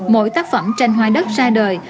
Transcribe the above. mỗi tác phẩm tranh hoa đất ra đời